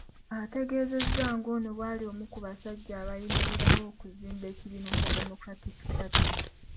Ategeezezza ng'ono bw'ali omu ku basajja abaayimirirawo okuzimba ekibiina kya Democratic Party.